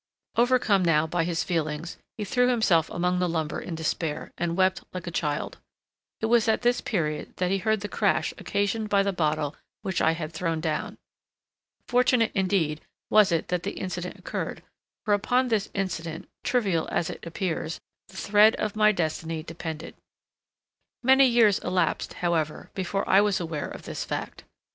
Overcome now by his feelings, he threw himself among the lumber in despair, and wept like a child. It was at this period that he heard the crash occasioned by the bottle which I had thrown down. Fortunate, indeed, was it that the incident occurred—for, upon this incident, trivial as it appears, the thread of my destiny depended. Many years elapsed, however, before I was aware of this fact.